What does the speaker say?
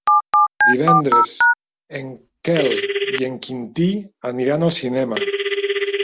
Divendres en Quel i en Quintí aniran al cinema.